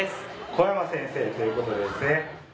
小山先生ということでですね。